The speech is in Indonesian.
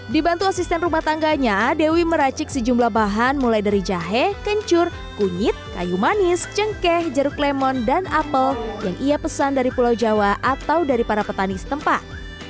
dibantu asisten rumah tangganya dewi meracik sejumlah bahan mulai dari jahe kencur kunyit kayu manis cengkeh jeruk lemon dan apel yang ia pesan dari pulau jawa atau dari para petani setempat